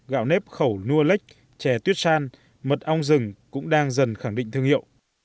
gạo nếp khẩu nua lách chè tuyết san mật ong rừng cũng đang dần khẳng định thương hiệu